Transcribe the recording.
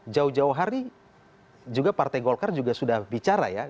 jauh jauh hari juga partai golkar juga sudah bicara ya